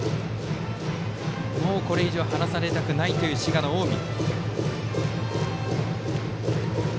もうこれ以上、離されたくない滋賀の近江。